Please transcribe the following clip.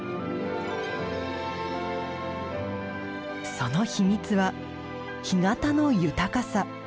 その秘密は干潟の豊かさ。